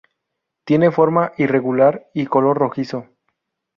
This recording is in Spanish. Tiene forma irregular y color rojizo.